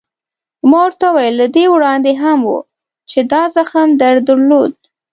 ما ورته وویل: له دې وړاندې هم و، چې دا زخم در درلود؟